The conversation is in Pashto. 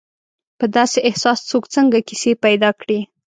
په داسې احساس څوک څنګه کیسې پیدا کړي.